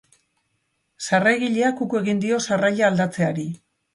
Sarrailagileak uko egin dio sarraila aldatzeari.